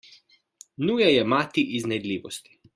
Nuja je mati iznajdljivosti.